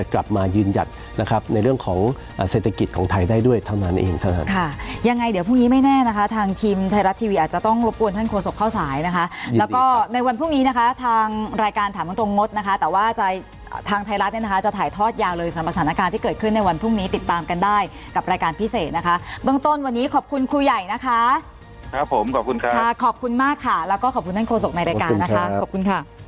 ค่ะยังไงเดี๋ยวพรุ่งนี้ไม่แน่นะคะทางทีมไทยรัฐทีวีอาจจะต้องรบกวนท่านโครสกเข้าสายนะคะแล้วก็ในวันพรุ่งนี้นะคะทางรายการถามตรงงดนะคะแต่ว่าจะทางไทยรัฐเนี่ยนะคะจะถ่ายทอดยาเลยสำหรับสถานการณ์ที่เกิดขึ้นในวันพรุ่งนี้ติดตามกันได้กับรายการพิเศษนะคะบางตอนวันนี้ขอบคุณครูใหญ่นะคะครับผมขอบคุณค่ะ